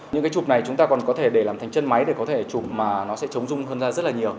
những cái trục này chúng ta còn có thể để làm thành chân máy để có thể chụp mà nó sẽ chống rung hơn ra rất là nhiều